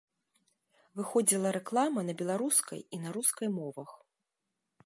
Выходзіла рэклама на беларускай і на рускай мовах.